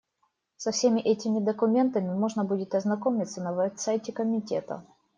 Со всеми этими документами можно будет ознакомиться на веб-сайте Комитета.